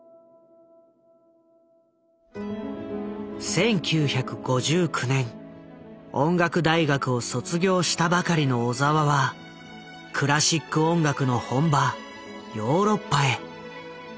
１９５９年音楽大学を卒業したばかりの小澤はクラシック音楽の本場ヨーロッパへ。